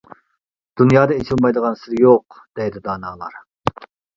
«دۇنيادا ئېچىلمايدىغان سىر يوق» دەيدۇ دانالار.